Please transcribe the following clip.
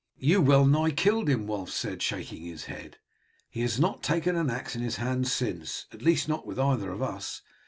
"You well nigh killed him," Wulf said, shaking his head; "he has not taken an axe in his hand since, at least not with either of us.